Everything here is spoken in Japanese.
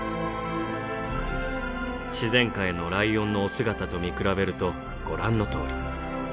自然界のライオンのお姿と見比べるとご覧のとおり。